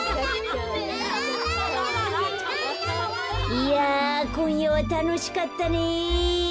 いやこんやはたのしかったね。